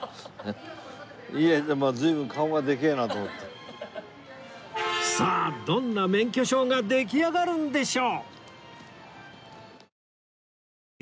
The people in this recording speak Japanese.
いやさあどんな免許証が出来上がるんでしょう？